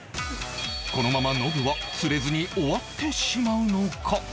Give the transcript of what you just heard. このままノブは釣れずに終わってしまうのか？